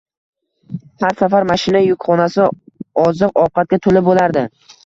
Har safar mashina yukxonasi oziq-ovqatga to`la bo`lardi